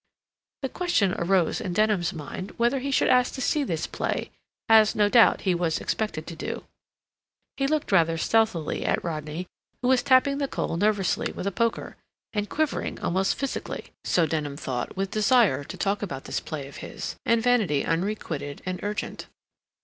The question arose in Denham's mind whether he should ask to see this play, as, no doubt, he was expected to do. He looked rather stealthily at Rodney, who was tapping the coal nervously with a poker, and quivering almost physically, so Denham thought, with desire to talk about this play of his, and vanity unrequited and urgent.